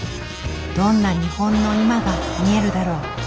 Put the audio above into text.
どんな日本の今が見えるだろう？